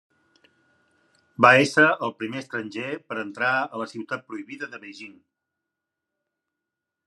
Va ésser el primer estranger per entrar a la Ciutat Prohibida de Beijing.